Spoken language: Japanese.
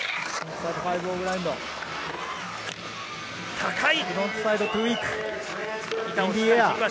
高い！